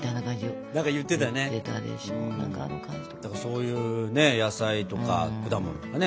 そういう野菜とか果物とかね